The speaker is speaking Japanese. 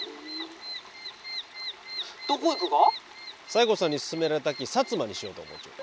西郷さんに薦められたき薩摩にしようと思うちゅう。